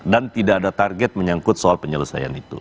dan tidak ada target menyangkut soal penyelesaian itu